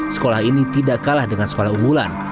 sekolah ini tidak kalah dengan sekolah unggulan